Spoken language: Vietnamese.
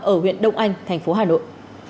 ở huyện đông anh thành phố hà nội